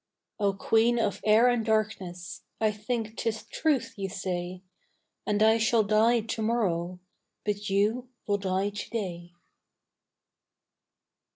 O Queen of air and darkness, I think 'tis truth you say, And I shall die to morrow; But you will die to day.